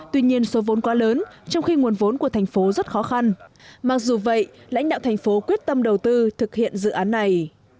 tuy nhiên số vốn quá lớn trong khi nguồn vốn của thành phố rất khó khăn mặc dù vậy lãnh đạo thành phố quyết tâm đầu tư thực hiện dự án này